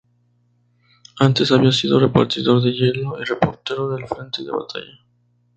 Antes había sido repartidor de hielo y reportero del frente de batalla.